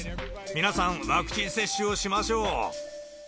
皆さん、ワクチン接種をしましょう。